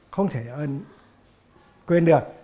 không thể quên được